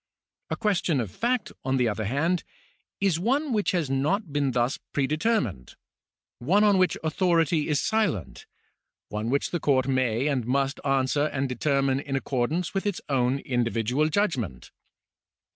A question of fact, on the other hand, is one which has not been thus pre determined— one on which authority is silent — one which the court may and must answer and determine in accordance with its own individual judgment.